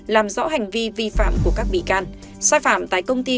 làm rõ hành vi vi phạm của các bị can sai phạm tại công ty